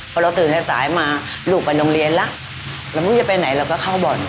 พอเราตื่นสายมาลูกไปโรงเรียนแล้วเรามุ่งจะไปไหนเราก็เข้าบ่อน